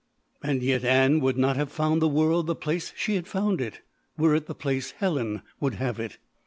And yet Ann would not have found the world the place she had found it were it the place Helen would have it.